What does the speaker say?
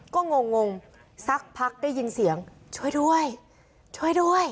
ก็งงงสักพักได้ยินเสียงช่วยด้วยช่วยด้วย